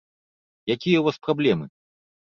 Якія у вас праблемы?